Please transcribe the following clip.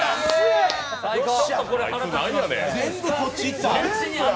全部こっちいった。